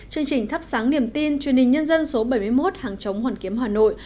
chương trình thắp sáng niềm tin truyền hình nhân dân số bảy mươi một hàng chống hoàn kiếm hà nội